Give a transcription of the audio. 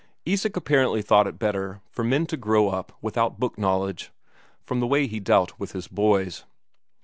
Isak apparently thought it better for men to grow up without book knowledge, from the way he dealt with his boys.